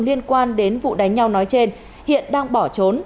liên quan đến vụ đánh nhau nói trên hiện đang bỏ trốn